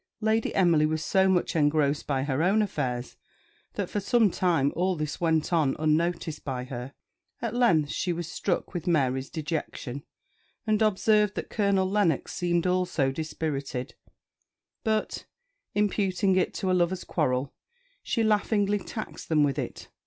Lady Emily was so much engrossed by her own affairs that for some time all this went on unnoticed by her. At length she was struck with Mary's dejection, and observed that Colonel Lennox seemed also dispirited; but, imputing it to a lover's quarrel, she laughingly taxed them with it.